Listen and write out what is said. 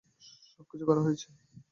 সবকিছু করা হয়েছে।